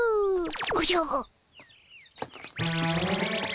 おじゃ？